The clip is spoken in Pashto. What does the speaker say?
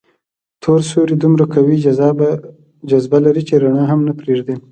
تور سوري دومره قوي جاذبه لري چې رڼا هم نه پرېږدي.